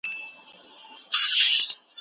راشد خان